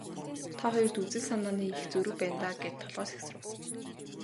Та хоёрт үзэл санааны их зөрүү байна даа гээд толгой сэгсрэв.